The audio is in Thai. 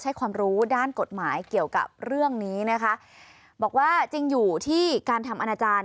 ให้ความรู้ด้านกฎหมายเกี่ยวกับเรื่องนี้นะคะบอกว่าจริงอยู่ที่การทำอนาจารย์